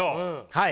はい。